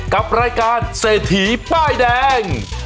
กับรายการเศรษฐีป้ายแดง